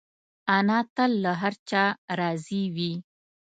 انا تل له هر چا راضي وي